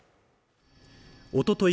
おととい